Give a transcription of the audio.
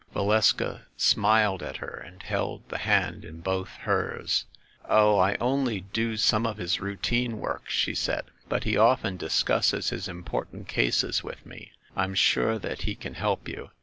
Valeska smiled at her and held the hand in both hers. "Oh, I only do some of his routine work," she said ; "but he often discusses his important cases with me. I'm sure that he can help you.